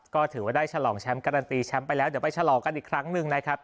ก็ถือว่าได้ฉลองแชมป์การันตีแชมป์ไปแล้วเดี๋ยวไปฉลองกันอีกครั้งหนึ่งนะครับ